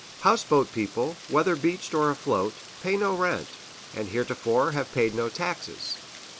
Houseboat people, whether beached or afloat, pay no rent, and heretofore have paid no taxes.